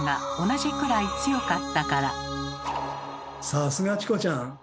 さすがチコちゃん！